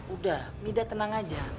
udah mida tenang aja